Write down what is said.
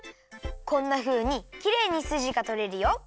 こんなふうにきれいにすじがとれるよ。